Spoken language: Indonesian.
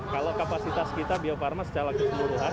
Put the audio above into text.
kalau kapasitas kita bio farma secara keseluruhan